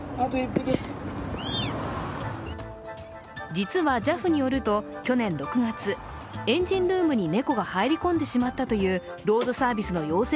実はＪＡＦによると去年６月エンジンルームに猫に入り込んでしまったというロードサービスの要請